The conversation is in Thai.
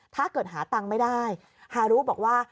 ถ้าเกิดหาตังค์ไม่ได้ฮารุบอกว่า